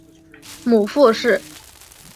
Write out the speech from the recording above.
母傅氏。